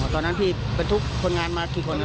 ตอนนั้นพี่เป็นทุกคนงานมากี่คนครับ